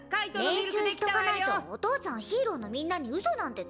練習しとかないとお父さんヒーローのみんなに嘘なんてつけないもん！